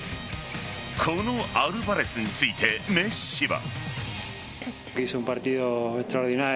このアルヴァレスについてメッシは。